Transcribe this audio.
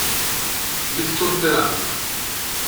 Víctor Peralta